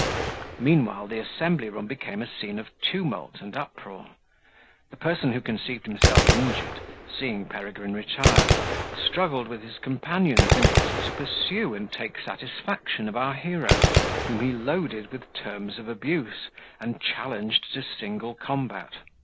Meanwhile the assembly room became a of scene of tumult and uproar: the person who conceived himself injured, seeing Peregrine retire, struggled with his companions, in order to pursue and take satisfaction of our hero, whom he loaded with terms of abuse, and challenged to single combat.